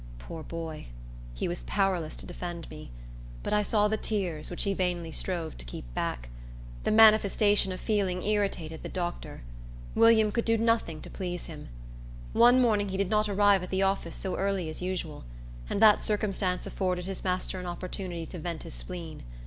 Poor boy! He was powerless to defend me; but I saw the tears, which he vainly strove to keep back. The manifestation of feeling irritated the doctor. William could do nothing to please him. One morning he did not arrive at the office so early as usual; and that circumstance afforded his master an opportunity to vent his spleen.